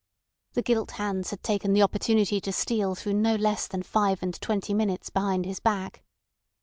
The gilt hands had taken the opportunity to steal through no less than five and twenty minutes behind his back.